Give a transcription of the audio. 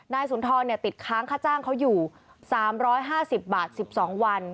สุนทรติดค้างค่าจ้างเขาอยู่๓๕๐บาท๑๒วัน